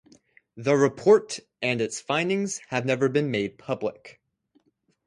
The report and its findings have never been made public.